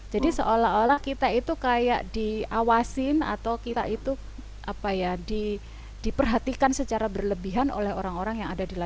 jadi seolah olah kita itu kayak diawasin atau kita itu apa ya diperhatikan secara berlebihan oleh orang orang